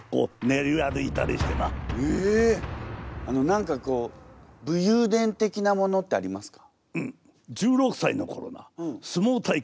何かこう武勇伝的なものってありますか？